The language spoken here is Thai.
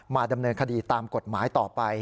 ดำเนินคดีตามกฎหมายต่อไป